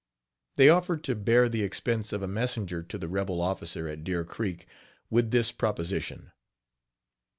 They offered to bear the expense of a messenger to the rebel officer, at Deer Creek, with this proposition.